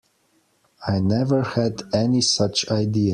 I never had any such idea.